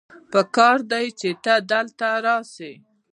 پکار دی چې ته دلته راسې